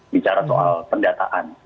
bicara soal pendataan